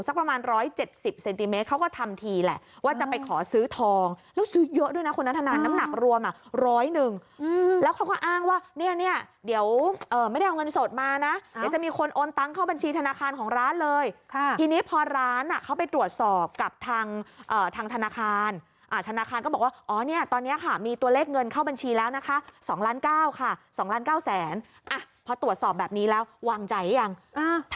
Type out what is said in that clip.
เขาก็ทำทีแหละว่าจะไปขอซื้อทองแล้วซื้อเยอะดูนะคุณนัทธนันค่ะน้ำหนักรวมอะร้อยหนึ่งอืมแล้วเขาก็อ้างว่าเนี้ยเนี้ยเดี๋ยวเอ่อไม่ได้เอาเงินสดมานะเดี๋ยวจะมีคนโอนตังค์เข้าบัญชีธนาคารของร้านเลยค่ะทีนี้พอร้านอ่ะเขาไปตรวจสอบกับทางเอ่อทางธนาคารอ่าธนาคารก็บอกว่าอ๋อเนี้ยต